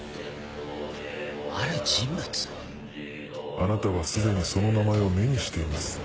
あなたは既にその名前を目にしています。